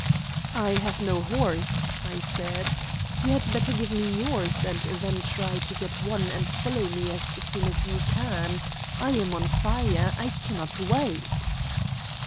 "I have no horse," I said. "You had better give me yours, and then try to get one and follow me as soon as you can. I am on fire. I cannot wait."